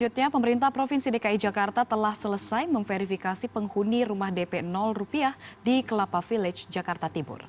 selanjutnya pemerintah provinsi dki jakarta telah selesai memverifikasi penghuni rumah dp rupiah di kelapa village jakarta timur